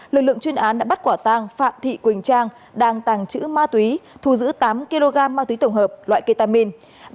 lực lượng chuyên án đã bắt quả tang phạm thị quỳnh trang đăng tàng chữ ma túy thu giữ tám kg ma túy tổng hợp loại ketamin